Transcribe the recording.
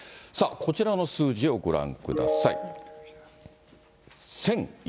こちらの数字をご覧ください。